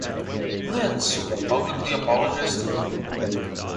Lin soon publicly apologized to Hu.